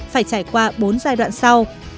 phải trải qua bốn giai đoạn sau